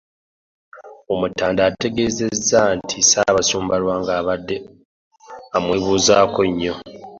Omutanda ategeezezza nti Ssaabasumba Lwanga abadde amwebuuzaako nnyo.